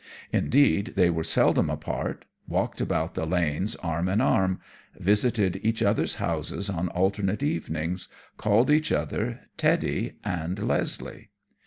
Indeed, they were seldom apart, walked about the lanes arm in arm, visited each other's houses on alternate evenings, called each other "Teddy" and "Leslie."